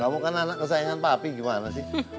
kamu kan anak kesayangan papi gimana sih